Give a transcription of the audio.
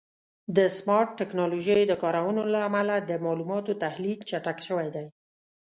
د سمارټ ټکنالوژیو د کارونې له امله د معلوماتو تحلیل چټک شوی دی.